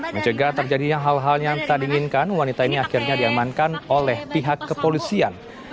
mencegah terjadinya hal hal yang tak diinginkan wanita ini akhirnya diamankan oleh pihak kepolisian